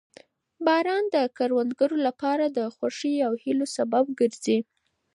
باران د کروندګرو لپاره د خوښۍ او هیلو سبب ګرځي